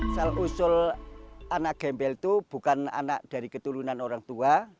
sel usul anak gembel itu bukan anak dari keturunan orang tua